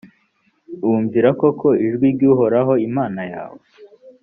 wumvira koko ijwi ry’uhoraho imana yawe?,